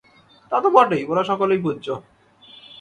তা তো বটেই, ওঁরা সকলেই পূজ্য।